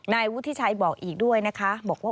นายวุฒิชัยบอกอีกด้วยนะคะบอกว่า